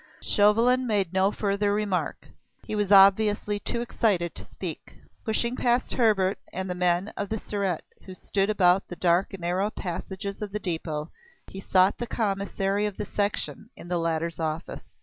Chauvelin made no further remark. He was obviously too excited to speak. Pushing past Hebert and the men of the Surete who stood about the dark and narrow passages of the depot, he sought the Commissary of the Section in the latter's office.